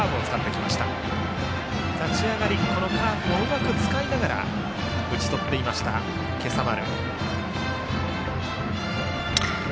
立ち上がりからカーブをうまく使いながら打ち取っていた今朝丸。